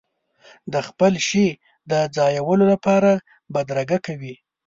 د خپل شي د ځایولو لپاره بدرګه کوي.